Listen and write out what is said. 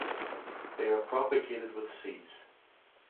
They are propagated with seeds.